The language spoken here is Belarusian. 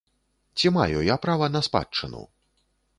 Ці маю я права на спадчыну?